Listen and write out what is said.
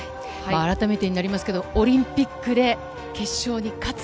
改めてになりますけど、オリンピックで決勝に勝つ。